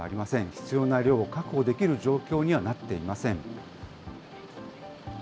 必要な量を確保できる状況にはなっていません。